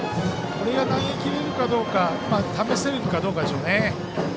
これが投げきれるかどうか試せれるかどうかですね。